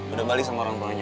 udah balik sama orang tua nya